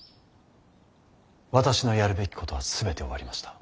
私のやるべきことは全て終わりました。